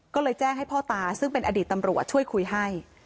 ก็เลยแจ้งให้พ่อตาซึ่งเป็นอดีตตำรวจช่วยคุยให้